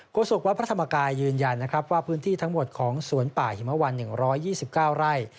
ศกวัดพระธรรมกายยืนยันนะครับว่าพื้นที่ทั้งหมดของสวนป่าหิมวัน๑๒๙ไร่